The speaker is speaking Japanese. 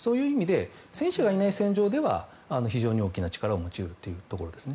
戦車がいない戦場では非常に大きな力を持ち得るというところですね。